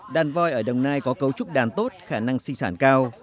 đàn voi ở đồng nai có cấu trúc đàn tốt khả năng sinh sản cao